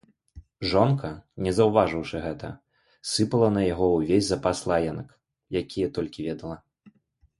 Жонка, не заўважыўшы гэта, сыпала на яго ўвесь запас лаянак, які толькі ведала.